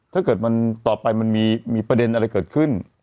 ถ้าเกิดมันต่อไปมันมีประเด็นอะไรเกิดขึ้น